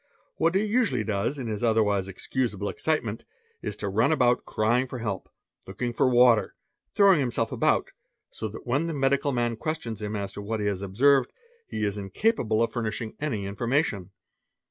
What he usually does in his otherwise excusable excitement, is to run about crying fol help, looking for water, throwing himself about, so that when the medi cal man questions him as to what he has observed, he is incapable o} furnishing any information.